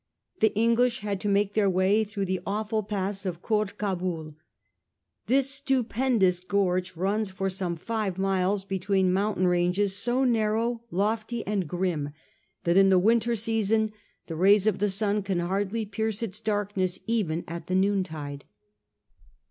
The English had to make their way through the awful pass of Koord Cabul. This stupendous gorge runs for some five miles between mountain ranges so narrow, lofty and grim, 1842. THE RETREAT FROM CABUL. 251 that in the winter season the rays of the sun can hardly pierce its darkness even at the noontide.